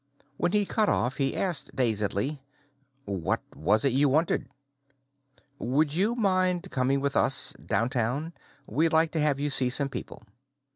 When he cut off, he asked dazedly: "What was it you wanted?" "Would you mind coming with us downtown? We'd like to have you see some people."